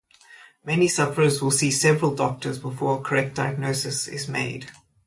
Many sufferers will see several doctors before a correct diagnosis is made.